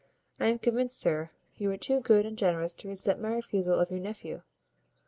I am convinced, sir, you are too good and generous to resent my refusal of your nephew.